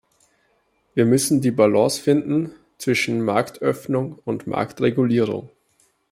Wir müssen die Balance finden zwischen Marktöffnung und Marktregulierung.